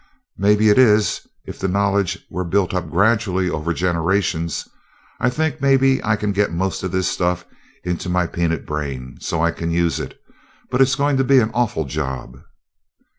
"Maybe it is, if the knowledge were built up gradually over generations. I think maybe I can get most of this stuff into my peanut brain so I can use it, but it's going to be an awful job."